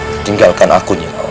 mau bicara pasti terjadi sedikit massa